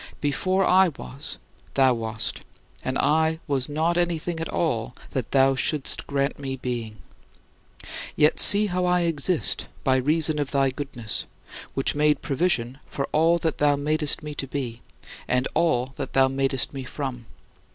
Before I was, thou wast, and I was not anything at all that thou shouldst grant me being. Yet, see how I exist by reason of thy goodness, which made provision for all that thou madest me to be and all that thou madest me from.